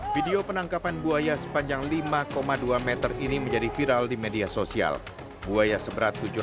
video penangkapan buaya sepanjang lima dua meter ini menjadi viral di media sosial buaya seberat